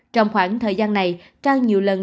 trong khoảng thời gian này trang nhiều lần